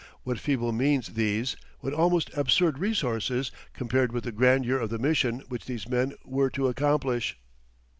What feeble means these, what almost absurd resources, compared with the grandeur of the mission which these men were to accomplish!